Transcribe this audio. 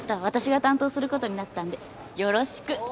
私が担当することになったんでよろしく。